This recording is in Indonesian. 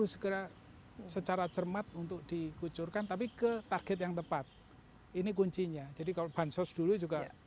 segera secara cermat untuk dikucurkan tapi ke target yang tepat ini kuncinya jadi kalau bansos dulu juga